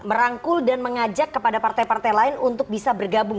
merangkul dan mengajak kepada partai partai lain untuk bisa bergabung